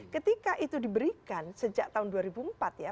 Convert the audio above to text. ketika itu diberikan sejak tahun dua ribu empat ya